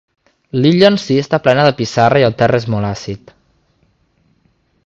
L'illa en si està plena de pissarra i el terra és molt àcid.